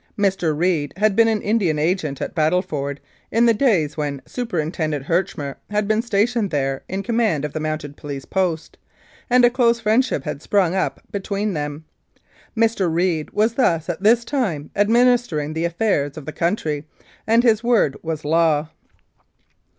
Mr. Reed had been Indian Agent at Battleford in the days when Superintendent Herchmer had been stationed there in command of the Mounted Police post, and a close friendship had sprung up between them. Mr. Reed was thus at this time administering the affairs of the country, and his word was law.